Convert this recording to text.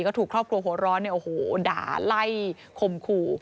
ก็ถูกครอบครัวหัวร้อนด่าไล่คมขู่